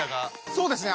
そうですね。